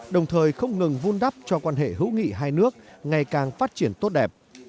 đồng thời không ngừng vun đắp cho quan hệ hữu nghị hai nước ngày càng phát triển tốt đẹp